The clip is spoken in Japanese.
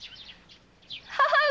母上！